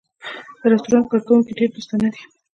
د رستورانت کارکوونکی ډېر دوستانه دی.